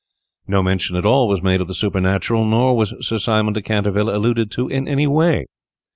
No mention at all was made of the supernatural, nor was Sir Simon de Canterville alluded to in any way.